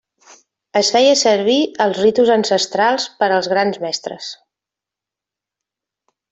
Es feia servir als ritus ancestrals per als grans mestres.